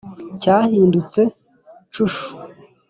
cyahindutse cushu